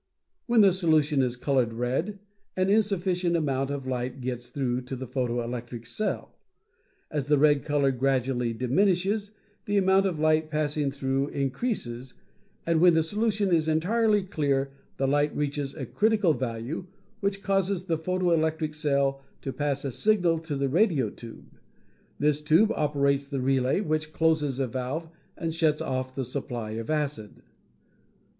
"When the solution is colored red, an insufficient amount of lights gets through to the photo electric cell. As the red color gradually diminishes, the amount of light passing through increases, and when the solution is entirely clear the light reaches a critical value which causes the photo electric cell to pass a signal to the radio tube. This tube operates the relay which closes a valve and shuts off the supply of acid.